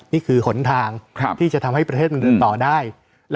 นี่คือหนทางครับที่จะทำให้ประเทศมันต่อได้ครับ